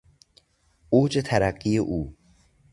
اوج ترقی او